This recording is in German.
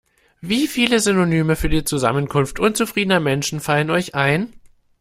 Wie viele Synonyme für die Zusammenkunft unzufriedener Menschen fallen euch ein?